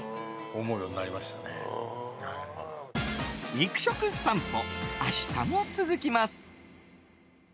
肉食さんぽ、明日も続きます。